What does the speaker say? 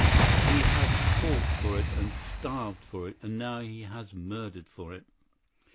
He has fought for it and starved for it, and now he has murdered for it.